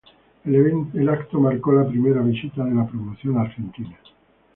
El evento marcó la primera visita de la promoción a Argentina.